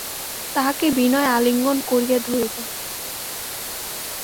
তাহাকে বিনয় আলিঙ্গন করিয়া ধরিল।